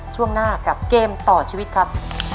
ช่วงหน้ากับเกมต่อชีวิตครับ